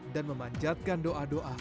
dan memanjatkan doa doa